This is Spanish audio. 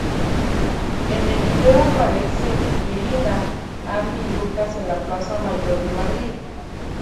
En el vídeo aparece Belinda, Andy y Lucas en la Plaza Mayor de Madrid.